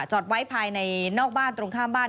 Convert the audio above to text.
จอดไว้ภายในนอกบ้านตรงข้ามบ้าน